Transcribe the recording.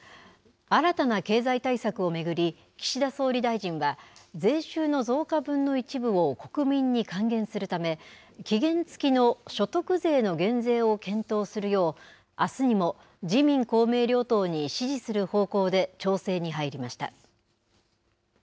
新たな経済対策を巡り岸田総理大臣は税収の増加分の一部を国民に還元するため期限付きの所得税の減税を検討するようあすにも自民・公明両党に指示する方向で調整に入りました。